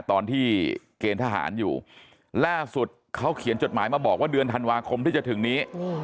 ตอนที่เกณฑ์ทหารอยู่ล่าสุดเขาเขียนจดหมายมาบอกว่าเดือนธันวาคมที่จะถึงนี้